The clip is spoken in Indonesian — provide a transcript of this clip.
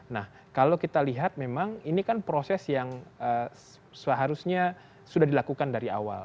nah kalau kita lihat memang ini kan proses yang seharusnya sudah dilakukan dari awal